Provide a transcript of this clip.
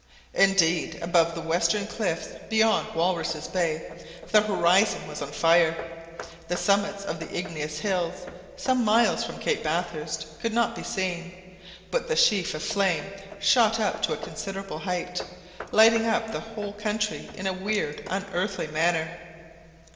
Indeed, above the western cliffs beyond Walruses' Bay the horizon was on fire. The summits of the igneous hills, some miles from Cape Bathurst, could not be seen; but the sheaf of flame shot up to a considerable height, lighting up the whole country in a weird, unearthly manner.